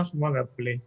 semua nggak boleh